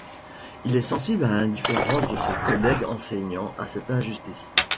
Il est sensible à l'indifférence de ses collègues enseignants à cette injustice.